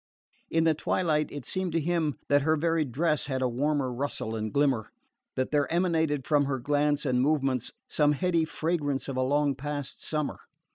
In the twilight it seemed to him that her very dress had a warmer rustle and glimmer, that there emanated from her glance and movements some heady fragrance of a long past summer.